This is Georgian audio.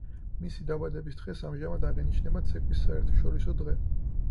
მისი დაბადების დღეს ამჟამად აღინიშნება ცეკვის საერთაშორისო დღე.